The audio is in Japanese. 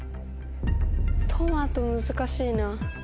トマト難しいな。